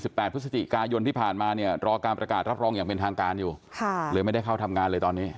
บัตรก็ทำนองนั้น